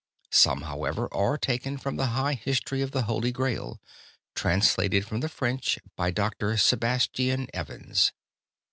Some, however, are taken from the "High History of the Holy Graal," translated from the French by Dr. Sebastian Evans.